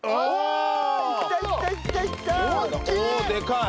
おっでかい！